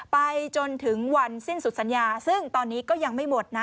ไปจนถึงวันสิ้นสุดสัญญาซึ่งตอนนี้ก็ยังไม่หมดนะ